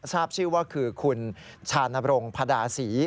ทราบชื่อว่าคือคุณชานบรงพระดาศรี